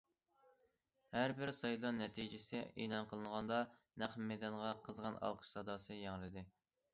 ھەر بىر سايلان نەتىجىسى ئېلان قىلىنغاندا نەق مەيداندا قىزغىن ئالقىش ساداسى ياڭرىدى.